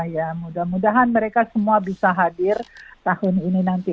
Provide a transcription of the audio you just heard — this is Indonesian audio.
ya mudah mudahan mereka semua bisa hadir tahun ini nanti